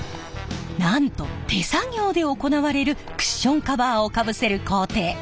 なんと手作業で行われるクッションカバーをかぶせる工程。